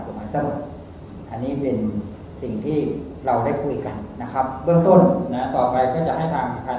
คุณภาคแสดงเปลี่ยนตัวประจาศิษย์ของคุณค่ะ